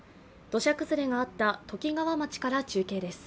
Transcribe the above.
土砂崩れがあったときがわ町から中継です。